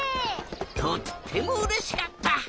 とってもうれしかった！